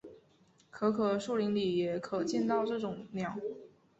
可可树林里也可见到这种鸟。